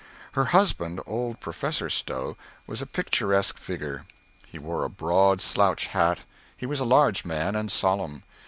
Her husband, old Professor Stowe, was a picturesque figure. He wore a broad slouch hat. He was a large man, and solemn.